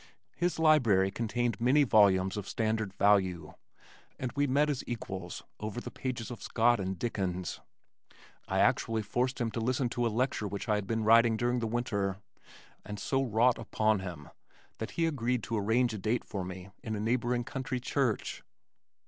His library contained many volumes of standard value and we met as equals over the pages of Scott and Dickens. I actually forced him to listen to a lecture which I had been writing during the winter and so wrought upon him that he agreed to arrange a date for me in a neighboring country church.